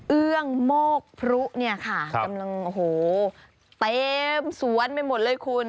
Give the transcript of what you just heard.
เอื้องโมกพรุเนี่ยค่ะกำลังโอ้โหเต็มสวนไปหมดเลยคุณ